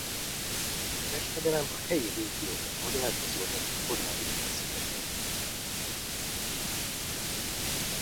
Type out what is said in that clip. A kereskedelem a helyi régiókra korlátozódott a koreai félszigeten.